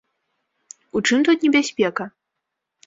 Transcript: У чым тут небяспека?